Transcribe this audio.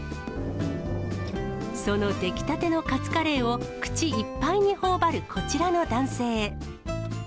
その出来たてのカツカレーを口いっぱいにほおばるこちらの男性。